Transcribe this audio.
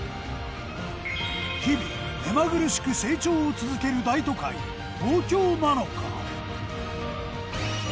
日々目まぐるしく成長を続ける大都会東京なのか？